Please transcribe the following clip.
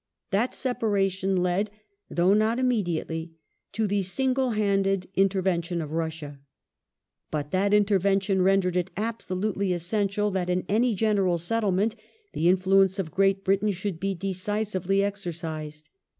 That separation led, though not immediately, to the single handed intervention of Russia. But that intervention rendered it absolutely essential that in any general settlement the influence of Great Britain should be decisively exercised.